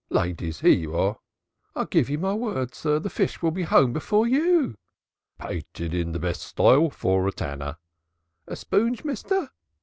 "Ladies, here you are " "I give you my word, sir, the fish will be home before you." "Painted in the best style, for a tanner " "A spoonge, mister?"